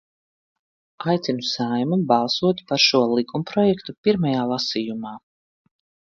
Aicinu Saeimu balsot par šo likumprojektu pirmajā lasījumā.